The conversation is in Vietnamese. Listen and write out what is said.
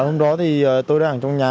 hôm đó tôi đang ở trong nhà